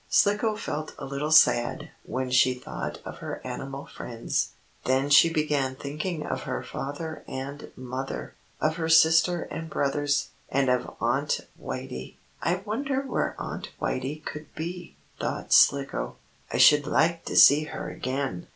Slicko felt a little sad when she thought of her animal friends. Then she began thinking of her father and mother, of her sister and brothers, and of Aunt Whitey. "I wonder where Aunt Whitey could be?" thought Slicko. "I should like to see her again."